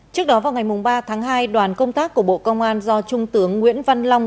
trước đó vào ngày ba tháng hai đoàn công tác của bộ công an do trung tướng nguyễn văn long